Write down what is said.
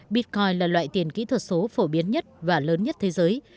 bitcoin là loại tiền kỹ thuật số phổ biến nhất và lớn nhất thế giới